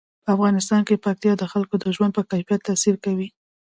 په افغانستان کې پکتیا د خلکو د ژوند په کیفیت تاثیر کوي.